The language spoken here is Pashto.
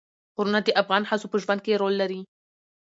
غرونه د افغان ښځو په ژوند کې رول لري.